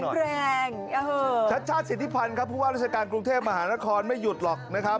แรงชัดชาติสิทธิพันธ์ครับผู้ว่าราชการกรุงเทพมหานครไม่หยุดหรอกนะครับ